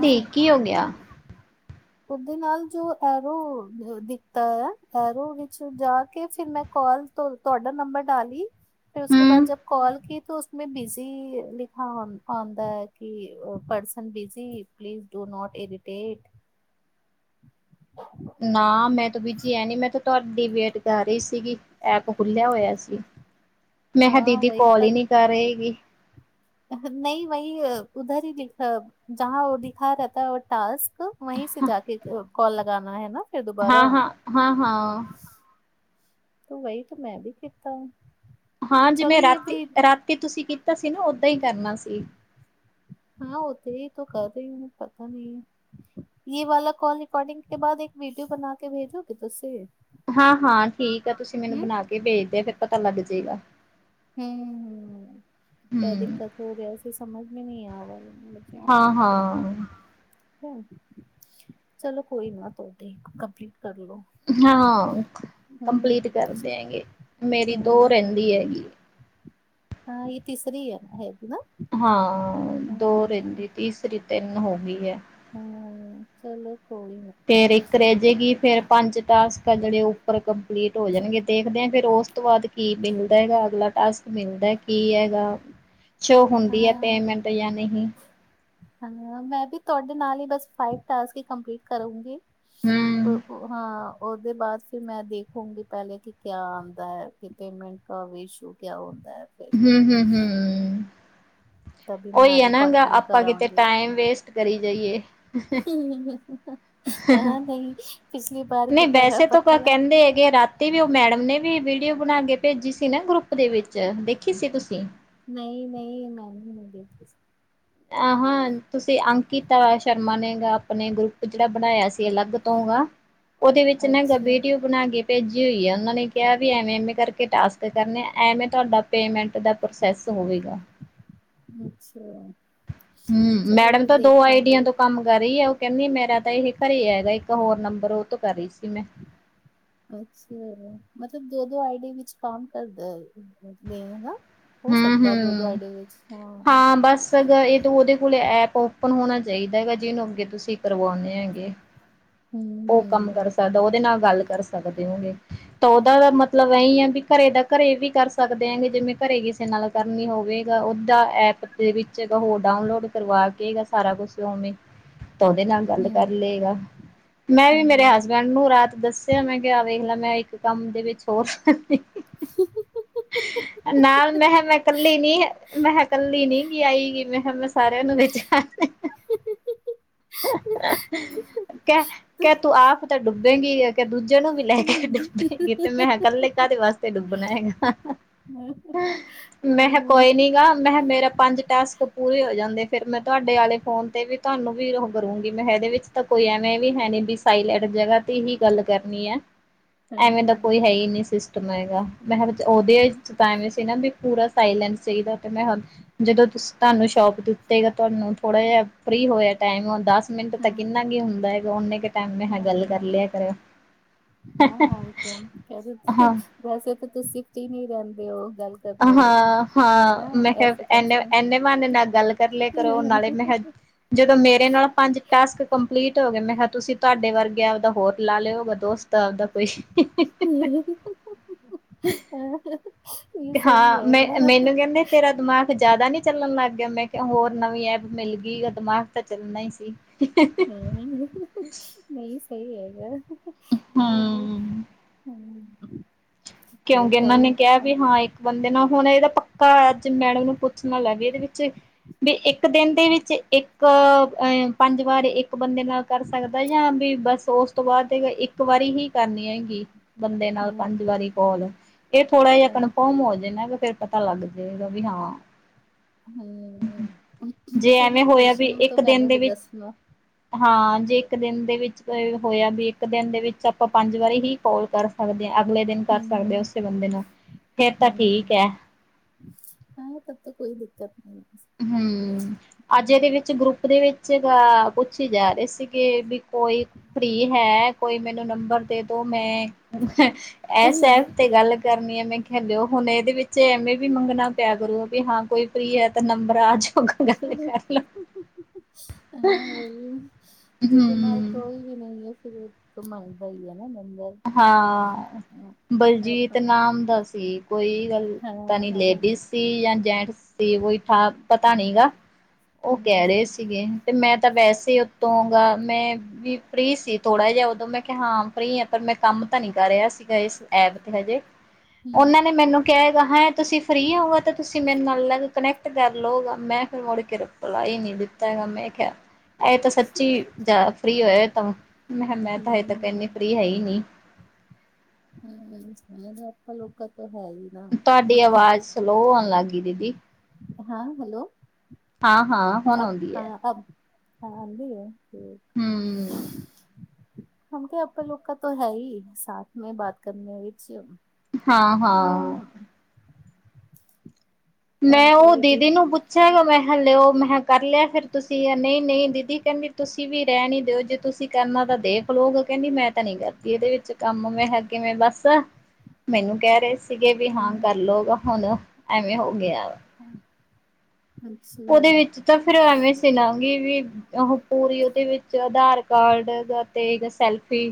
ਨਹੀਂ, ਕੀ ਹੋ ਗਿਆ? ਓਦੇ ਨਾਲ ਜੋਰੋ ਦਿਖਤਾ। ਹੈਰੋ ਵਿੱਚ ਜਾ ਕੇ ਫਿਰ ਮੈਂ ਕਾਲ ਤੁਹਾਡਾ ਨੰਬਰ ਡਾਲੀ। ਫਿਰ ਉਸ ਬਾਦ ਹੂੰ ਜ ਕਾਲ ਕੀ, ਉਸੇ ਬਿਜੀ ਲਿਖ ਆਉਂਦਾ ਹੈ। ਕਿ purse busy please do not irritate. ਨਾਂ ਮੈਂ ਤਾਂ ਬੀਜੀ ਹੈ ਨ ਮੈਂ ਤਾਂ ਤੁਹਾਡੀ ਵੇਟ ਕਰ ਰਹੀ ਸੀਗੀ। ਐਪ ਖੁੱਲਿਆ ਹੋਇਆ ਸੀ। ਮੈਂ ਕਿਹਾ ਦੀਦੀ ਕੋਲ ਹੀ ਨਹੀਂ ਕਰ ਰਹੇਗੀ। ਨਹੀਂ ਵਹੀ, ਉੱਧਰ ਹੀ ਲਿਖ, ਜ ਉਹ ਲਿੱਖਾ ਰਹਿਤਾ ਉਹ ਟਾਸਕ ਵਹੀ ਸੀ। ਜਾ ਕੇ‌ ਕੋਲ ਲਗਾਉਣਾ ਹੇਨਾ। ਹਾਂ- ਹਾਂ -ਹਾਂ- ਹਾਂ। ਤੂੰ ਵਹੀ ਤੇ ਮੈਂ ਵੀ ਕੀਤਾ। ਹਾਂ, ਜਿਵੇਂ ਰਾਤੀ- ਰਾਤੀ ਤੁਸੀਂ ਤਾਂ ਸੀ ਨਾ, ਓਦਾਂ ਹੀ ਕਰਨਾ ਸੀ। ਹਾਂ, ਉਹ ਤੇ ਹੀ ਕਰ ਰਹੇ। ਪਤਾ ਨਹੀਂ ਇਹ ਵਾਲਾ ਕਾਲ ਰਿਕੋਡਿੰਗ ਕੇ ਬਾਅਦ ਇੱਕ ਵੀਡੀਓ ਬਣਾ ਕੇ ਭੇਜੋਗੇ। ਤੁਸੀੇ ਹਾਂ- ਹਾਂ ਠੀਕ ਆ। ਤੁਸੀਂ ਮੈਨੂੰ ਬਣਾ ਕੇ ਭੇਜਦੇ ਫਿਰ ਪਤਾ ਲੱਗ ਜਾਊਗਾ। ਜਗਾ [unintelligible] ਹਮ -ਹਮ ਕਿਆ ਹੂੰ ਦਿੱਕਤ ਹੋ ਰਿਹਾ ਸੀ। ਸਮਝ ਮੈਨ ਆਵੱਲ [unintelligible] ਹਾਂ ਹਾਂ ਚਲੋ ਕੋਈ ਨਾ ਤੁਹਾਡੇ ਕੰਪਲੀਟ ਹਾਂ ਕੰਪਲੀਟ ਕਰਦਿਆਂਗੇ ਮੇਰੀ ਦੋ ਰਹਿੰਦੀ ਹੈਗੀ ਕਰ ਦਿਆਂਗੇ ਹਾਂ ਇਹ ਤਸਰੀ ਹੈ ਨਾ ਹੈ ਹਾਂ ਦੋ ਰਹਿੰਦੀ ਤੀਸਰੀ ਤਿੰਨ ਹੋ ਗਈ ਹੈ ਹਾਂ ਚਲੋ ਕੋਈ ਨਾ ਫਿਰ ਇੱਕ ਰਹਿ ਜਾਏਗੀ ਫਿਰ ਪੰਜ ਟਾਸਕ ਆ ਜਿਹੜੇ ਉੱਪਰ ਕੰਪਲੀਟ ਹੋ ਜਾਣਗੇ ਦੇਖਦੇ ਆਂ ਫਿਰ ਉਸ ਤੋਂ ਬਾਅਦ ਕੀ ਮਿਲਦਾ ਹੈਗਾ ਅਗਲਾ ਟਾਸਕ ਮਿਲਦਾ ਕੀ ਹੈਗਾ ਸ਼ੋ ਹੁੰਦੀ ਹੈ ਹਾਂ ਪੇਮੈਂਟ ਜਾਂ ਨਹੀਂ ਹਾਂ ਮੈਂ ਵੀ ਤੁਹਾਡੇ ਨਾਲ ਹੀ ਬਸ ਫਾਈਵ ਟਾਸਕ ਕੰਪਲੀਟ ਕਰੂੰਗੀ ਹਮ ਹਾਂ ਉਹਦੇ ਬਾਅਦ ਫਿਰ ਮੈਂ ਦੇਖੂੰਗੀ ਪਹਿਲੇ ਕਿ ਕਿਆ ਆਉਂਦਾ ਹੈ ਕਿ ਪੇਮੈਂਟ ਕਾ ਵੀ ਇਸ਼ੂ ਕਿਆ ਹੁੰਦਾ ਹੈ ਫਿਰ ਹਮ ਹਮ ਹਮ ਉਹੀ ਹੈ ਨਾ ਗ ਆਪਾਂ ਕਿਤੇ ਟਾਈਮ ਵੇਸਟ ਕਰੀ ਜਾਈਏ ਨਹੀਂ ਵੈਸੇ ਤਾਂ ਕਹਿੰਦੇ ਹੈਗੇ ਰਾਤੀ ਵੀ ਉਹ ਮੈਡਮ ਨੇ ਵੀ ਵੀਡੀਓ ਬਣਾ ਕੇ ਭੇਜੀ ਸੀ ਨਾ ਗਰੁੱਪ ਦੇ ਵਿੱਚ ਦੇ ਖਸੀੇ ਤੁਸੀਂ [unintelligible] ਨਹੀਂ ਨਹੀਂ ਮੈਂ ਨਹੀਂ ਆਹ ਹੋ ਤੁਸੀਂ ਅੰਕਿਤਾ ਸ਼ਰਮਾ ਨੇ ਆਪਣੇ ਗਰੁੱਪ ਜਿਹੜਾ ਬਣਾਇਆ ਸੀ ਅਲੱਗ ਤੋਂ ਉਹਦੇ ਵਿੱਚ ਮਗਰ ਵੀਡੀਓ ਬਣਾ ਕੇ ਭੇਜੀ ਹੋਈ ਆ ਉਹਨਾਂ ਨੇ ਕਿਹਾ ਵੀ ਐਵੇਂ ਐਵੇਂ ਕਰਕੇ ਟਾਸਕ ਕਰਨੇ ਐਵੇਂ ਤੁਹਾਡਾ ਪੇਮੈਂਟ ਦਾ ਪ੍ਰੋਸੈਸ ਹੋਵੇਗਾ। ਅੱਛਾ! ਹਮ ਮੈਡਮ ਤਾਂ ਦੋ ਆਈਡੀਆਂ ਤੋਂ ਕੰਮ ਕਰ ਰਹੀ ਆ ਉਹ ਕਹਿੰਦੀ ਮੇਰਾ ਤਾਂ ਇਹ ਘਰੇ ਹੈਗਾ ਇੱਕ ਹੋਰ ਨੰਬਰ ਉਹ ਤੋਂ ਕਰ ਰਹੀ ਸੀ। ਮੈਂ ਅੱਛਾ! ਮਤਲਬ ਦੋ ਦੋ ਆਈਡੀ ਵਿੱਚ ਕੰਮ ਕਰਦਾ। ਹਮ ਹਮ ਹਾਂ ਬਸ ਅ ਇਹ ਤ ਉਹਦੇ ਕੋਲ ਐਪ ਓਪਨ ਹੋਣਾ ਚਾਹੀਦਾ ਹੈਗਾ ਜਿਹਨੂੰ ਅੱਗੇ ਤੁਸੀਂ ਕਰਵਾਉਂਦੇ ਹੈਗੇ। ਉਹ ਕੰਮ ਕਰ ਸਕਦਾ ਉਹਦੇ ਨਾਲ ਗੱਲ ਕਰ ਸਕਦੇ ਹੋਗੇ ਤਾਂ ਉਹਦਾ ਦਾ ਮਤਲਬ ਇਹੀ ਆ ਵੀ ਘਰੇ ਦਾ ਘਰੇ ਵੀ ਕਰ ਸਕਦੇ ਆਗੇ ਜਿਵੇਂ ਘਰੇ ਕਿਸੇ ਨਾਲ ਕਰਨੀ ਹੋਵੇਗਾ ਓਦਾ ਐਪ ਦੇ ਵਿੱਚ ਹੋਰ ਡਾਊਨਲੋਡ ਕਰਵਾ ਕੇ ਸਾਰਾ ਕੁਛ ਉਵੇਂ ਤਾਂ ਉਹਦੇ ਨਾਲ ਗੱਲ ਕਰ ਲਏਗਾ। ਮੈਂ ਵੀ ਮੇਰੇ ਹਸਬੈਂਡ ਨੂੰ ਰਾਤ ਦੱਸਿਆ। ਮੈਂ ਕਿਹਾ ਵੇਖਲਾ ਮੈਂ ਇੱਕ ਕੰਮ ਦੇ ਵਿੱਚ ਹੋਰ ਨਾਲ ਮੈਂ ਮੈਂ ਕੱਲੀ ਨੀ ਮੈਂ ਕਿਹਾ ਕੱਲੀ ਨੀ ਆਈ ਗਈ ਮੈਂ [unintelligible] ਸਾਰਿਆਂ ਨੂੰ ਵਿੱਚ ਐਡ ਕੇ ਤੂੰ ਆਪ ਤਾਂ ਡੁੱਬ [unintelligible] ਨੂੰ ਵੀ ਲੈ ਕੇ ਡੁੱਬੇਗੀ ਤੇ ਮੈਂ ਕੱਲੇ ਕਾਹਦੇ ਵਾਸਤੇ ਡੁੱਬਣਾ ਹੈਗਾ ਮੈਂ ਕਿਹਾ ਕੋਈ ਨੀ ਗਾ ਮੈਂ ਕਿਹਾ ਮੇਰਾ ਪੰਜ ਟਾਸਕ ਪੂਰੇ ਹੋ ਜਾਣਦੇ ਫੇਰ ਮੈਂ ਤੁਹਾਡੇ ਆਲੇ ਫੋਨ ਤੇ ਵੀ ਤੁਹਾਨੂੰ ਵੀ ਉਹ ਕਰੂੰਗੀ ਮੈਂ ਇਹਦੇ ਵਿੱਚ ਤਾਂ ਕੋਈ ਐਵੇਂ ਵੀ ਹੈ ਨਹੀਂ ਸਾਈਲੈਂਡ ਜਗ੍ਹਾ ਤੇ ਹੀ ਗੱਲ ਕਰਨੀ ਹੈ। ਐਵੇਂ ਦਾ ਹੂੰ-ਹੂੰ। ਕੋਈ ਹੈ ਹੀ ਨਹੀਂ ਸਿਸਟਮ ਹੈਗਾ ਮੈਂ ਕਿਹਾ ਉਹਦੇ ਹਾਂ-ਹਾਂ, ਵਿੱਚ ਤਾਂ ਐਵੇ ਸੀ ਨਾ ਵੀ ਪੂਰਾ ਸਾਇਲੈਂਸ ਸਹੀ ਗੱਲ ਹੈ। ਤੇ ਮੈਂ ਕਿਹਾ ਜਦੋਂ ਤੁਸੀਂ ਤੁਹਾਨੂੰ ਸ਼ੋਪ ਦਿੱਤੇਗਾ ਤੁਹਾਨੂੰ ਥੋੜਾ ਜਿਹਾ ਫਰੀ ਹੋਇਆ ਟਾਈਮ ਦੱਸ ਮਿੰਟ ਤਾਂ ਹਾਂ ਕਿੰਨਾ ਕੁ ਹੁੰਦਾ ਹੈਗਾ ਉਹਨੇ ਹਾਂ ਮਹਾ ਗੱਲ ਕਰ ਲਿਆ ਕਰ [unintelligible] ਹਾਂ [unintelligible] ਹਾਂ ਵੈਸੇ ਤਾਂ ਤੁਸੀਂ ਉਤੇ ਨਹੀਂ ਰਹਿੰਦੇ ਓ ਹਾਂ ਹਾਂ ਮੈਂ ਐਸੇ ਕਿਹਾ ਕਮ ਇਨੇ ਸੇ ਕਮ ਐਨੇ ਬਹਾਨੇ ਨਾਲ ਗੱਲ ਕਰ ਲਿਆ ਕਰੋ ਨਾਲੇ ਮੈਂ ਜਦੋਂ ਮੇਰੇ ਨਾਲ ਪੰਜ ਟਾਸਕ ਕੰਪਲੀਟ ਹੋ ਗਏ ਮੈਂ ਕਿਹਾ ਤੁਸੀਂ ਤੁਹਾਡੇ ਵਰਗਿਆ ਦਾ ਹੋਰ ਲਾ ਲਿਓਗਾ ਦੋਸਤ ਤਾਂ ਓਦਾਂ ਕੋਈ ਇਹ ਸਹੀ ਹਾਂ ਮੈਂ ਹੈਗਾ ਮੈਨੂੰ ਕਹਿੰਦੇ ਤੇਰਾ ਦਿਮਾਗ ਜਿਆਦਾ ਨੀ ਚੱਲਣ ਲੱਗ ਗਿਆ ਮੈਂ ਕਿਹਾ ਹੋਰ ਨਵੀਂ ਐਪ ਮਿਲ ਗਈ ਦਿਮਾਗ ਤਾਂ ਚੱਲਣਾ ਹੀ ਸੀ ਹੂੰ ਨਹੀਂ ਸਹੀ ਹੈਗਾ ਹੂੰ ਹੂੰ ਕਿਉਂਕਿ ਇਹਨਾਂ ਨੇ ਕਿਹਾ ਵੀ ਹਾਂ ਇੱਕ ਬੰਦੇ ਨਾ ਹੁਣ ਇਹਦਾ ਪੱ ਕਾ ਮੈਡਮ ਨੂੰ ਪੁੱਛਣਾ ਨਾ [unintelligible] ਇਹਦੇ ਵਿੱਚ ਵੀ ਇੱਕ ਦਿਨ ਦੇ ਵਿੱਚ ਇੱਕ ਇੱਕ ਪੰਜ ਵਾਰ ਇੱਕ ਬੰਦੇ ਨਾਲ ਕਰ ਸਕਦਾ ਜਾਂ ਵੀ ਬੱਸ ਉਸ ਤੋਂ ਬਾਅਦ ਇੱਕ ਵਾਰੀ ਹੀ ਕਰਨੀ ਹੈਗੀ ਬੰਦੇ ਨਾਲ ਹਾਂ ਪੰਜ ਵਾਰੀ ਕੋਲ ਇਹ ਥੋੜਾ ਜਹਾ ਹਾਂ ਕਨਫਰਮ ਹੋ ਜਾਣਾ ਫੇਰ ਪਤਾ ਲੱਗ ਜਾਏਗਾ ਵੀ ਹਾਂ ਹਮ ਜੇ ਚਲੋ ਐਵੇਂ ਹੋਇਆ ਪੁੱਛ ਵੀ ਲੈਣਾ ਫ਼ਿਰ ਇੱਕ ਦਿਨ ਮੈਨੂੰ ਵੀ ਦੇ ਵਿੱਚ ਦੱਸਣਾ ਹਾਂ ਜੇ ਇੱਕ ਦਿਨ ਦੇ ਵਿੱਚ ਹੋਇਆ ਵੀ ਇੱਕ ਦਿਨ ਦੇ ਵਿੱਚ ਆਪਾਂ ਪੰਜ ਵਾਰੀ ਹੀ ਕਾਲ ਕਰ ਸਕਦੇ ਅਗਲੇ ਦਿਨ ਕਰ ਸਕਦੇ ਹੂੰ, ਉਸੇ ਬੰਦੇ ਨੂੰ ਫੇਰ ਤਾਂ ਠੀਕ ਹੂੰ। ਹੈ ਤ ਹਮ ਅੱਜ ਇਹਦੇ ਵਿੱਚ ਗਰੁੱਪ ਦੇ ਵਿੱਚ ਤਾਂ ਪੁੱਛ ਹੀ ਜਾ ਰਹੇ ਸੀ ਕੇ ਕੋਈ ਫਰੀ ਹੈ ਕੋਈ ਮੈਨੂੰ ਨੰਬਰ ਦੇ ਦੋ ਮੈਂ ਐਸ ਐਪ ਤੇ ਗੱਲ ਕਰਨੀ ਹੈ ਮੈਂ ਹੈਲੋ ਹੁਣ ਇਹਦੇ ਵਿੱਚ ਐਵੇਂ ਵੀ ਮੰਗਣਾ ਪਿਆ ਕਰੋ ਵੀ ਹਾਂ ਕੋਈ ਫਰੀ ਅਤੇ ਨੰਬਰ ਅੱਜ ਆਹ ਜਿਦੇ ਨਾਲ ਹੂੰ ਕੋਈ ਵੀ ਨਹੀਂ ਨਈ ਫਿਰ ਘੁਮਣ ਗਈ ਆ ਨਾ ਮੈਂ ਹਾਂ ਬਲਜੀਤ ਆਪਾਂ ਨਾਮ ਦਾ ਸੀ ਕੋਈ ਗੱਲ ਹਾਂ ਪਤਾਂ ਨੀ ਹਾਂ ਲੇਡੀਜ਼ ਹੂੰ ਸੀ ਜਾਂ ਜੈਂਟਸ ਸੀ ੳਹੀ ਠਾ ਪਤਾ ਨਹੀ ਗਾ ਉਹ ਕਹਿ ਰਹੇ ਹੂੰ। ਸੀਗੇ ਤੇ ਮੈਂ ਤਾਂ ਵੈਸੇ ਹੀ ਉੱਤੋਂ ਗ ਮੈਂ ਵੀ ਫ੍ਰੀ ਸੀ ਥੋੜਾ ਜਿਹਾ ਉਦੋਂ ਮੈਂ ਕਿਹਾ ਹਾਂ ਫ੍ਰੀ ਹਾ ਪਰ ਮੈਂ ਕੰਮ ਤਾਂ ਨਹੀਂ ਕਰ ਰਿਹਾ ਸੀਗਾ ਇਸ ਐਪ ਤੇ ਹਜੇ ਉਹਨਾਂ ਨੇ ਮੈਨੂੰ ਕਿਹਾਗਾ ਹੈ। ਤੁਸੀਂ ਫਰੀ ਆਉਗਾ ਤਾਂ ਤੁਸੀਂ ਮੇਰੇ ਨਾਲ ਕਨੈਕਟ ਕਰ ਲਓਗਾ ਮੈਂ ਫਿਰ ਮੁੜ ਕੇ ਰਿਪਲਾਈ ਨਹੀਂ ਦਿੱਤਾ ਹੈਗਾ ਮੈਂ ਖਯਾ ਇਹ ਤਾਂ ਸੱਚੀ ਅ ਫ੍ਰਰੀ ਹੋਏ। ਤਾਂ ਮੈਂ ਕਿਹਾ ਮੈਂ ਤਾਂ ਹਜੇ ਤੱਕ ਕਹਨੀ ਹੂੰ, ਫ੍ਰਰੀ ਹੈ ਈ ਹੂੰ [unintelligible] ਹਲੋ ਕਤ ਤੁਹਾਡੀ ਆਵਾਜ਼ ਸਲੋਅ ਹੋਣ ਲੱਗ ਗਈ ਦੀਦੀ। ਹਾਂ ਹੈਲੋ ਹਾਂ, ਹਾਂ ਹੁਣ ਆਉਂਦੀ ਹੈ। ਹਾਂ ਆਂਦੀ ਏ। ਹੂੰ। ਹਕ ਆਪਾਂ ਲੋਕਾਂ ਤੋਂ ਹੈ ਹੀ ਸਾਥ ਮੇ ਬਾਤ ਕਰਨੇ ਵਿੱਚ ਹਾਂ-ਹਾਂ ਅਹ, ਮੈਂ ਉਹ ਦੀਦੀ ਨੂੰ ਪੁੱਛਿਆਗਾ ਮੈਂ ਹਲੇਿਓ ਮੈਂ ਕਿਹਾ ਕਰ ਲਿਆ ਫੇਰ ਤੁਸੀਂ ਨਹੀਂ, ਨਹੀਂ ਦੀਦੀ ਕਹਿੰਦੀ ਤੁਸੀਂ ਵੀ ਰਹਿਨ ਈ ਦਿਓ ਜੇ ਤੁਸੀਂ ਕਰਨਾ ਤਾਂ ਦੇਖ ਲੋ ਕਹਿੰਦੀ ਮੈਂ ਤਾਂ ਨਹੀਂ ਕਰਦੀ ਇਹਦੇ ਵਿੱਚ ਕੰਮ ਮੈਂ ਹੈ ਕਿਵੇਂ ਬਸ ਮੈਨੂੰ ਕਹਿ ਰਹੇ ਸੀ ਸੀਗੇ ਵੀ ਹਾਂ ਕਰਲਓਗਾ ਹੁਣ। ਐਵੇਂ ਹੋ ਗਿਆ। [inaudible] ਉਹਦੇ ਵਿੱਚ ਤਾਂ ਫਿਰ ਐਵੇਂ ਸੀ ਨਾ ਵੀ ਵੀ ਉਹ ਪੂਰੀ ਉਹਦੇ ਵਿੱਚ ਆਧਾਰ ਕਾਰਡ ਅਤੇ ਸੈਲਫੀ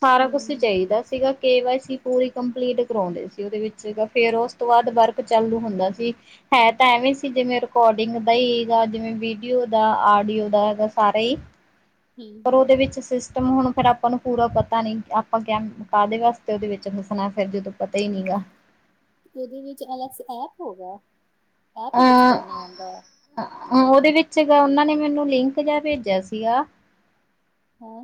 ਸਾਰਾ ਕੁਛ ਚਾਹੀਦਾ ਸੀਗਾ ਕੇ ਵਾੲ ਪੂਰੀ ਕੰਪਲੀਟ ਕਰਵਾਉਂਦੇ ਸੀ ਉਹਦੇ ਵਿੱਚ ਫੇਰ ਉਸ ਤੋਂ ਬਾਅਦ ਵਰਕ ਚਾਲੂ ਹੁੰਦਾ ਸੀ ਹੈ ਤਾਂ ਐਵੇਂ ਸੀ ਜਿਵੇਂ ਕੋਡਿੰਗ ਦਾ ਹੀ ਹੈਗਾ ਜਿਵੇਂ ਵੀਡੀਓ ਦਾ ਆਡੀਓ ਦਾ ਹੈਗਾ ਸਾਰਾ ਹੀ। ਪਰ ਉਹਦੇ ਵਿੱਚ ਸਿਸ ਹੁਣ ਫਿਰ ਆਪਾਂ ਨੂੰ ਪੂਰਾ ਪਤਾ ਨੀ ਆਪਾਂ ਕਯਾ ਕਾਹਦੇ ਵਾਸਤੇ ਉਹਦੇ ਵਿੱਚ ਹੱਸਣਾ ਫਿਰ ਜਦੋਂ ਪਤਾ ਹੀ ਨੀ ਗਾ। ਉਹਦੇ ਵਿੱਚ ਅਲੱਸ ਐਪ ਹੋਗਾ? ਇਹ ਤੇ ਵਿੱਚ ਅ ਕਰਨਾ ਆਉਂਦਾ ਹੈ। ਉਹਦੇ ਵਿੱਚਗਾ ਉਹਨਾਂ ਨੇ ਮੈਨੂੰ ਲਿੰਕ ਜਾ ਭੇਜਿਆ ਸੀਗਾ। ਹੂੰ।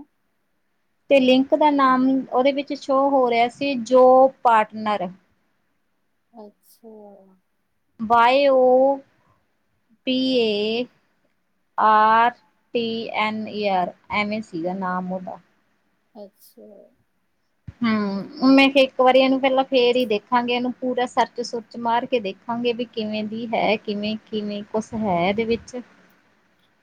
ਤੇ ਲਿੰਕ ਦਾ ਨਾਮ ਉਹਦੇ ਵਿੱਚ ਸ਼ੋਅ ਹੋ ਰਿਹਾ ਸੀ ਜੋ ਪਾਰਟਨਰ ਅੱਛਾ ਵਾਇਓ P A R T N E R ਐਵੇ ਸੀਗਾ ਨਾਮ ਓਹਦਾ ਅੱਛਾ ਹੂੰ, ਮੈਂ ਇੱਕ ਵਾਰੀ ਇਹਨੂੰ ਪਹਿਲਾਂ ਫੇਰ ਹੀ ਦੇਖਾਂਗੇ ਇਹਨੂੰ ਪੂਰਾ ਸਰਚ ਸੁਚ ਮਾਰ ਕੇ ਦੇਖਾਂਗੇ ਵੀ ਕਿਵੇਂ ਦੀ ਹੈ ਕਿਵੇਂ ਕਿਵੇਂ ਕੁਛ ਹੈ ਇਹਦੇ ਵਿੱਚ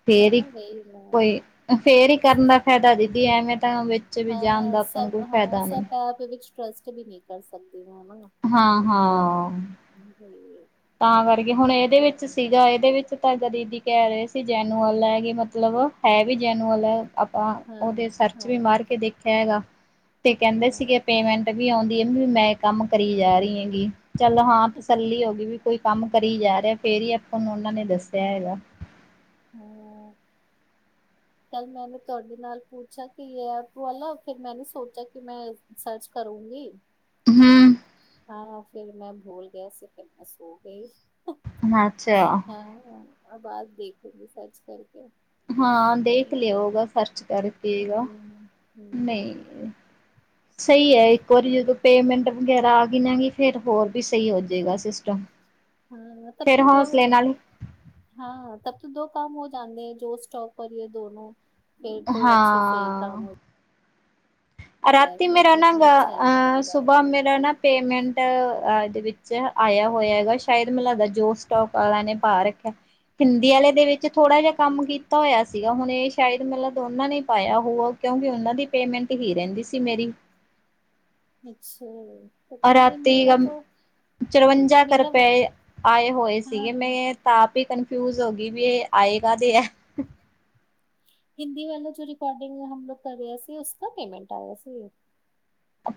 ਫੇਰ ਹੀ ਹਾਂ ਵੈਰੀ ਨਾ ਕੋਈ ਫੇਰ ਹੀ ਕਰਨ ਦਾ ਫਾਇਦਾ ਦੀਦੀ ਐਵੇਂ ਤਾਂ ਵਿੱਚ ਵੀ ਜਾਣ ਹਾਂ ਦਾ ਆਪਾਂ ਨੂੰ ਸਭ ਕੋਈ ਹਾਂ ਫਾਇਦਾ ਨਹੀਂ! ਸਭ ਐਪ ਵਿੱਚ ਟਰਸਟ ਵੀ ਨਹੀਂ ਕਰ ਸਕਦੇ। ਹਾਂ ਨਾ ਹਾਂ। ਹਾਂ। [unintelligible] ਤਾਂ ਕਰਕੇ ਹੁਣ ਇਹਦੇ ਵਿੱਚ ਸੀਗਾ ਇਹਦੇ ਵਿੱਚ ਤਾਂ ਕਦੀ ਦੀਦੀ ਕਹਿ ਰਹੇ ਸੀ ਜੈਨੂਅਲ ਹੈ ਕਿ ਮਤਲਬ ਹੈ ਵੀ ਜੈਨੂਅਲ ਹੈ ਆਪਾਂ ਹਾਂ ਉਹਦੇ ਸਰਚ ਹਾਂ ਵੀ ਮਾਰ ਕੇ ਦੇਖਿਆ ਹੈਗਾ। ਤੇ ਕਹਿੰਦੇ ਸੀਗੇ ਹਾਂ ਪੇਮੈਂਟ ਵੀ ਆਉਂ ਵੀ ਮੈਂ ਕੰਮ ਕਰੀ ਜਾ ਰਹੀ ਹੈਂਗੀ ਚਲੋ ਹਾਂ ਤਸੱਲੀ ਹੋ ਗਈ ਵੀ ਕੋਈ ਕੰਮ ਕਰੀ ਜਾ ਰਿਹਾ ਫੇਰ ਹੀ ਆਪਾਂ ਨੂੰ ਉਹਨਾਂ ਨੇ ਦੱਸਿਆ ਹੈਗਾ ਹੂੰ ਕੱਲ ਮੈਨ ਤੁਹਾਡੇ ਨਾਲ ਪੁੱਛਿਆ ਕਿ ਇਹ ਐਪ ਵਾਲਾ ਫਿਰ ਮੈਨ ਸੋਚਿਆ ਕਿ ਮੈਂ ਸਰਚ ਕਰੂੰਗੀ ਹੂੰ, ਹਾਂ, ਫਿਰ ਮੈਂ ਭੂਲ ਗਿਆ ਸੀ ਫਿਰ ਮੈਂ ਸੋ ਗਈ ਅੱਛਾ, ਆ ਬਾਜ਼ ਦੇਖੂੰਗੀ ਸਰਚ ਕਰਕੇ [inaudible] ਸਹੀ ਹੈ ਇੱਕ ਵਾਰੀ ਜਦੋਂ ਪੇਮੈਂਟ ਵਗੈਰਾ ਆ ਗਈ ਨਾ ਗਈ ਫਿਰ ਹੋਰ ਵੀ ਸਹੀ ਹੋ ਜਾਏਗਾ ਸਿਸਟਮ ਹਾਂ ਤਬ ਫੇਰ ਤ ਦੋ ਹੌਸਲੇ ਨਾਲ ਹਾਂ ਤਬ ਦੋ ਕੰਮ ਹੋ ਜਾਂਦੇ ਹੈ ਜੋ ਸਟੋਕ ਕਰੀਏ ਦੋਨੋ ਫੇਰ ਤੋਂ ਅੱਛੇ ਸਹੀ ਕੰਮ ਹਾਂ ਹੋ ਰਾਤੀ ਮੇਰਾ ਨਾ ਸੁਬਾਹ ਮੇਰਾ ਨਾ ਪੇਮੈਂਟ ਵਿੱਚ ਆਇਆ ਹੋਇਆ ਹੈਗਾ ਸ਼ਾਇਦ ਮਤਲਬ ਦਾ ਜੋ ਸਟੋਕ ਵਾਲਾ ਨੇ ਪਾ ਰੱਖਿਆ ਹਿੰਦੀ ਵਾਲੇ ਦੇ ਵਿੱਚ ਥੋੜਾ ਜਿਹਾ ਕੰਮ ਕੀਤਾ ਹੋਇਆ ਸੀਗਾ ਹੁਣ ਇਹ ਸ਼ਾਇਦ ਮਤਲਬ ਦੋਨਾਂ ਨੇ ਪਾਇਆ ਹੋਊਗਾ ਕਿਉਂਕਿ ਉਹਨਾਂ ਦੀ ਪੇਮੈਂਟ ਹੀ ਰਹਿੰਦੀ ਸੀ ਮੇਰੀ ਅੱਛਾ ਰਾਤੀ ਚੁਰਵੰਜਾ ਰੁਪਏ ਆਏ ਹੋਏ ਸੀਗੇ ਮੈਂ ਤਾਪ ਹੀ ਕ ਫਿਊਜ਼ ਹੋ ਗਈ ਵੀ ਇਹ ਆਏ ਕਾਹਦੇ ਆ ਹਿੰਦੀ ਵਾਲਾ ਜੋ ਰਿਕੋਡਿੰਗ ਹਮ ਲੋਕ ਕਰ ਰਿਹਾ ਸੀ ਉਸ ਪੇਮੈਂਟ ਆਇਆ ਸੀ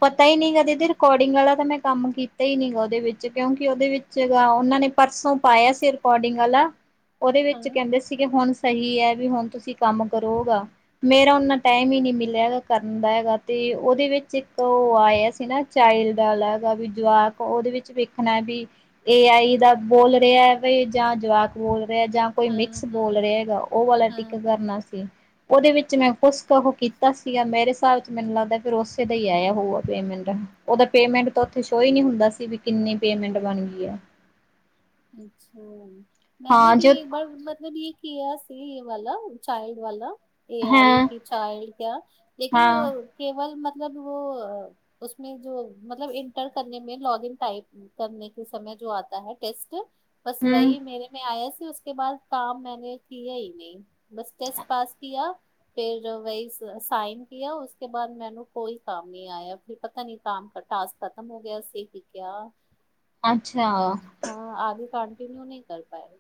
ਪਤਾ ਈ ਨੀ ਐਦੀ ਰਿਕਾਰਡਿੰਗ ਆਲਾ ਤਾ ਮੇ, ਕੰਮ ਕੀਤਾ ਹੀ ਨੀ ਗਾ ਉਹਦੇ ਵਿੱਚ ਕਿਉਂਕਿ ਉਹਦੇ ਵਿੱਚ ਗਾ ਉਹਨਾਂ ਨੇ ਪਰਸੋਂ ਪਾਇਆ ਸੀ ਰਿਕੋਡਿੰਗ ਆਲਾ ਉਹਦੇ ਵਿੱਚ ਕਹਿੰਦੇ ਸੀਗੇ ਹੁਣ ਸਹੀ ਹੈ ਵੀ ਹੁਣ ਤੁਸੀਂ ਕੰਮ ਕਰੋਗਾ ਮੇਰਾ ਨਾ ਟਾਈਮ ਹੀ ਨਹੀਂ ਮਿਲਿਆ ਹੈਗਾ ਕਰਨ ਦਾ ਹੈਗਾ ਤੇ ਉਹਦੇ ਵਿੱਚ ਤੋਂ ਉਹ ਆਇਆ ਸੀ ਨਾ ਚਾਈਲਡ ਅਲਗ ਵੀ ਜਵਾਕ ਉਹਦੇ ਵਿੱਚ ਵੇਖਣਾ ਵੀ ਏ ਆਈ ਦਾ ਬੋਲ ਰਿਹਾ ਬ ਜਾਂ ਜਵਾਕ ਬੋਲ ਰਿਹਾ ਜਾਂ ਕੋਈ ਮਿਕਸ ਬੋਲ ਰਿਹਾ ਹੈਗਾ ਉਹ ਵਾਲਾ ਟਿੱਕ ਕਰਨਾ ਸੀ। ਉਹਦੇ ਵਿੱਚ ਮੈਂ ਕੁਛ ਕੁ ਕੀਤਾ ਸੀਗਾ ਮੇਰੇ ਹਿਸਾਬ ਚ ਮੈਨੂੰ ਲੱਗਦਾ ਫਿਰ ਉਸੇ ਦਾ ਹੀ ਆਇਆ। ਪਟ ਉਹਦਾ ਪੇਮੈਂਟ ਤਾਂ ਉਓਥੇ ਸੋ ਹੀ ਨੀ ਹੁੰਦਾ ਸੀ ਵੀ ਕਿੰਨੀ ਪੇਮੈਂਟ ਬਣ ਗਈ ਆ। ਅੱਛਾ, ਮੈਂ ਵੀ ਬੀ ਜੋ ਏ ਮਤਲਬ ਇਹ ਕੀਆ, ਇਹ ਵਾਲਾ ਚਾਈਲਡ ਵਾਲਾ ਏ ਆਈ ਹਾਂ ਕੀ ਚਾਈਲਡ ਕਿਆ ਲੇਕਿ ਹਾਂ ਕੇਵਲ ਮਤਲਬ ਮਤਲਬ ਉਹ ਉਸਮੇ ਜੋ ਮਤਲਬ ਇੰਟਰ ਕਰਨ ਮੈਂ ਲੌਗ ਇਨ ਟਾਈਪ ਕਰਨ ਕੇ ਸਮੇ ਜੋ ਆਤਾ ਹੈ, ਟੈਸਟ ਬਸ ਹਮ ਵਹੀ ਮੇਰੇ ਮੈਂ ਆਇ ਉਸਕੇ ਬਾਅਦ ਤਾਂ ਮੈਨੇ ਸੀਆਈ ਨੇ ਬਸ ਟੈਸਟ ਪਾਸ ਕੀਆ ਫਿਰ ਗਾਈਜ ਸਾਈਨ ਕੀ ਹ ਉਸਕੇ ਬਾਅਦ ਮੈਨੇ ਕੋਈ ਕੰਮ ਨਹੀਂ ਆਇਆ ਕਿ ਪਤਾ ਨਹੀਂ ਸਾਫ ਟਾਸ ਖਤਮ ਹੋ ਅੱਛਾ ਵ। ਹਾਂ, ਆਗੇ ਕੰਟੀਨਿਊ ਨਹੀਂ ਕਰ ਪਾਏ।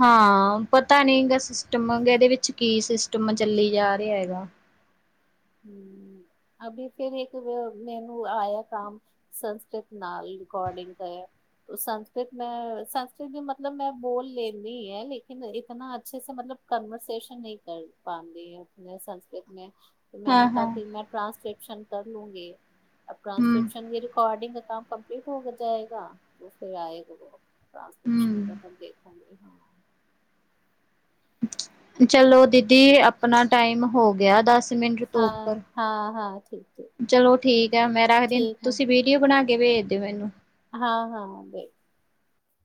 ਹਾਂ, ਪਤਾ ਨੀਗਾ ਸਿਸਟਮ, ਇਹਦੇ ਵਿੱਚ ਕੀ ਸਿਸਟਮ ਚੱਲੀ ਜਾ ਰਿਹਾ ਹੈਗਾ। ਅਭੀ ਫਿਰ ਇੱਕ ਮੈਨੂੰ ਆਇਆ ਕਾਮ ਸੰਸਕ੍ਰਿਤ ਨਾਲ ਰਿਕੋਡਿੰਗ ਕਰ, ਸੰਸਕ੍ਰਿਤ ਮੈਂ, ਸੰਸਕ੍ਰਿਤ ਮਤਲਬ ਮੈਂ ਬੋਲ ਲੈਂਦੀ ਆ ਲੇਕਿਨ ਇਤਨਾ ਅੱਛੇ ਸੇ ਮਤਲਬ ਕਨਵਰਸੈਸ਼ਨ ਨਹੀਂ ਕਰ ਪਾਦੀ ਹੂਂ ਸੰਸਕ੍ਰਿਤ ਮ- ਹਾਂ ਮੈਨੇ ਕਾ ਹਾਂ ਫਿਰ ਮੈਂ ਟ੍ਰਾਂਸਲੇਟ- ਕਰ ਲੂੰਗੀ ਅਬ ਹਮ ਟ੍ਰਾਂਸਕ੍ਰਿਪਸ਼ਨ ਰਿਕੋਡਿੰਗ ਕਾ ਕੰਮ ਕੰਪਲੀਟ ਹੋ ਜਾਏਗਾ ਫਿਰ ਆਏਗਾ ਬ- ਟਰਾਂਸਕ੍ਰਿਪਸ਼ਨ ਦਾ ਹਮ [unintelligible] ਤੁ ਦੇਖਾਂਗੇ। [unintelligible] ਚਲੋ, ਦੀਦੀ ਆਪਣਾ- ਟਾਈਮ ਹੋ ਗਿਆ ਦਸ- ਮਿੰਟ ਤੋਂ ਉੱਪਰ, ਚਲੋ ਠੀਕ ਹੈ। ਮੈਂ ਰੱਖਦੀ ਤੁਸੀਂ ਵੀਡੀਓ ਬਣਾ ਕੇ। ਭੇਜਦੇ ਹੋ ਮੈਨੂੰ। ਹਾਂ- ਹਾਂ।